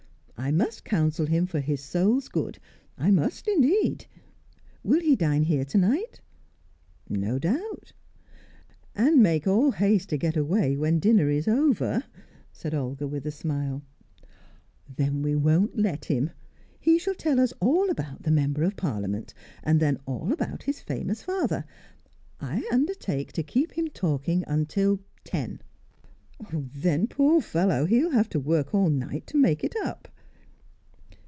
I must counsel him for his soul's good, I must, indeed. Will he dine here to night?" "No doubt." "And make all haste to get away when dinner is over," said Olga, with a smile. "Then we won't let him. He shall tell us all about the Member of Parliament; and then all about his famous father. I undertake to keep him talking till ten." "Then, poor fellow, he'll have to work all night to make it up."